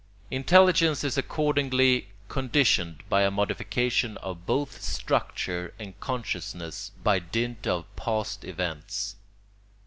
Intelligence is accordingly conditioned by a modification of both structure and consciousness by dint of past events.